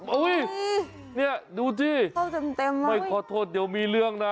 โอ้ยนี่ดูสิไม่ขอโทษเดี๋ยวมีเรื่องนะ